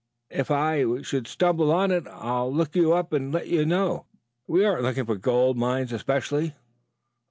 If I should stumble on it, I'll look you up and let you know. We aren't looking for gold mines especially.